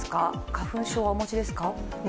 花粉症はお持ちですか？